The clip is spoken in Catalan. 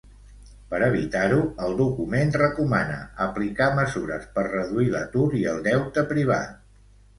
Per evitar-ho, el document recomana aplicar mesures per reduir l'atur i el deute privat.